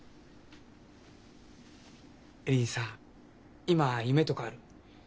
恵里さ今夢とかある？